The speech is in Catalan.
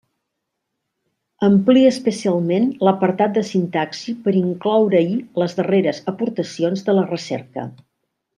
Amplia especialment l'apartat de sintaxi per incloure-hi les darreres aportacions de la recerca.